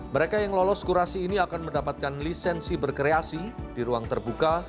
mereka yang lolos kurasi ini akan mendapatkan lisensi berkreasi di ruang terbuka